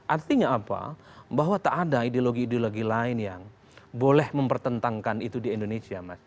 artinya apa bahwa tak ada ideologi ideologi lain yang boleh mempertentangkan itu di indonesia